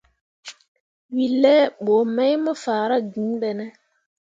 We laa bə mai mo faara gŋ be ne?